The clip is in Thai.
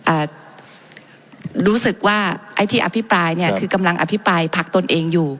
อ่ารู้สึกว่าไอ้ที่อภิปรายเนี่ยคือกำลังอภิปรายพักตนเองอยู่